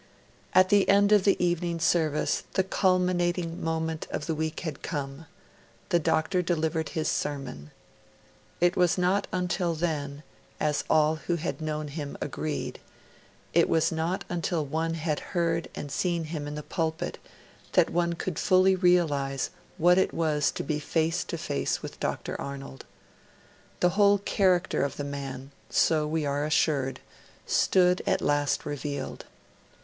At the end of the evening service, the culminating moment of the week had come: the Doctor delivered his sermon. It was not until then, as all who had known him agreed, it was not until one had heard and seen him in the pulpit, that one could fully realise what it was to be face to face with Dr. Arnold. The whole character of the man so we are assured stood at last revealed.